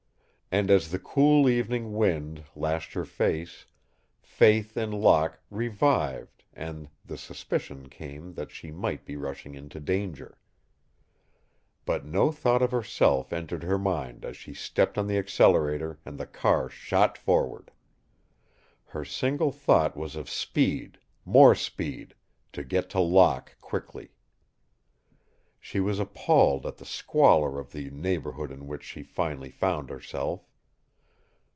And, as the cool evening wind lashed her face, faith in Locke revived and the suspicion came that she might be rushing into danger. But no thought of herself entered her mind as she stepped on the accelerator and the car shot forward. Her single thought was of speed, more speed, to get to Locke quickly. She was appalled at the squalor of the neighborhood in which she finally found herself.